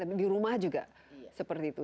tapi di rumah juga seperti itu